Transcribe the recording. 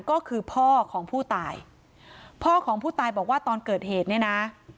ก็คือพ่อของผู้ตายพ่อของผู้ตายบอกว่าตอนเกิดเหตุเนี่ยนะ